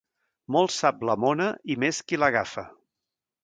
Molt sap la mona, i més qui l'agafa.